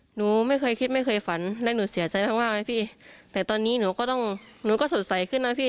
หนูไม่เคยคิดไม่เคยฝันและหนูเสียใจมากมากไหมพี่แต่ตอนนี้หนูก็ต้องหนูก็สดใสขึ้นนะพี่